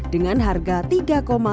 dengan harga rp tiga lima juta